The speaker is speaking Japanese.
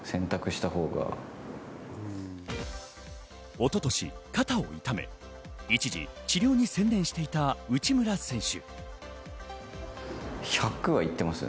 一昨年、肩を痛め、一時治療に専念していた内村選手。